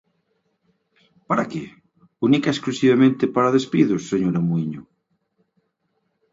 ¿Para que? Única e exclusivamente para despidos, señora Muíño.